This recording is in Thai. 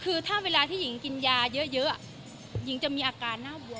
คือถ้าเวลาที่หญิงกินยาเยอะหญิงจะมีอาการหน้าบวม